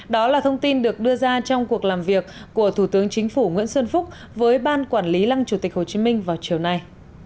đó là thông tin được đưa ra trong cuộc làm việc của thủ tướng chính phủ nguyễn xuân phúc với ban quản lý lăng chủ tịch hồ chí minh vào chiều nay